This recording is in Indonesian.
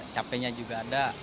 capeknya juga ada